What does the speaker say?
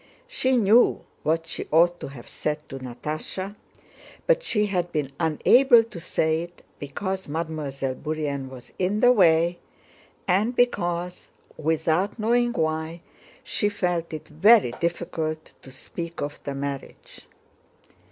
She knew what she ought to have said to Natásha, but she had been unable to say it because Mademoiselle Bourienne was in the way, and because, without knowing why, she felt it very difficult to speak of the marriage.